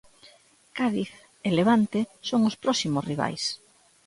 Cádiz e Levante son os próximos rivais.